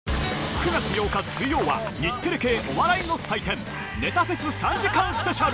９月８日水曜は、日テレ系お笑いの祭典、ネタフェス３時間スペシャル。